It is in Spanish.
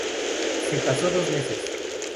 Se casó dos veces.